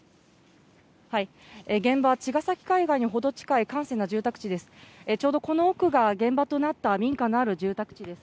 現場は茅ヶ崎海岸に程近い閑静な住宅地です。